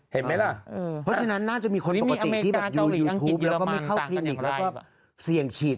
เห็นมั้ยล่ะน่าจะมีคนปกติคิดอ่ะ